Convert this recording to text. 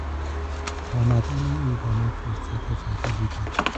آمدن او به ما فرصت جدیدی داد.